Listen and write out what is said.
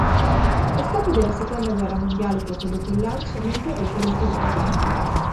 Lo scoppio della seconda guerra mondiale poco dopo il lancio ne interruppe lo sviluppo.